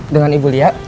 dengan ibu lia